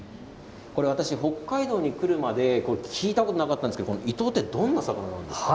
北海道に来るまで聞いたことがなかったんですがイトウはどんな魚なんですか。